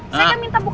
saya minta buka